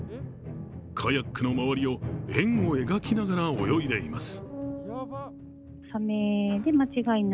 カヤックの周りを、円を描きながら泳いでいます。